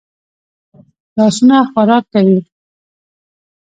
لاسونه خوراک کوي